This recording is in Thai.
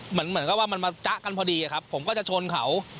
เหมือนกับว่ามันมาจ๊ะกันพอดีครับผมก็จะชนเขา